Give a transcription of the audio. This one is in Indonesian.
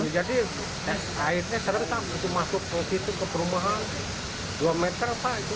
jadi airnya seretan masuk ke situ ke perumahan dua meter apa itu